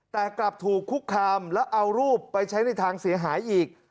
แต่กลับถูกคุกคามแล้วเอารูปไปใช้ในทางเสียหายอีก